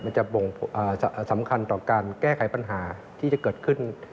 สำคัญต่อการแก้ไขปัญหาที่จะเกิดขึ้น